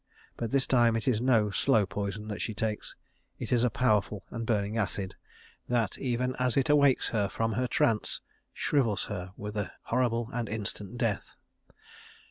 But this time it is no slow poison that she takes. It is a powerful and burning acid that even as it awakes her from her trance, shrivels her with a horrible and instant death.